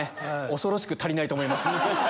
恐ろしく足りないと思います。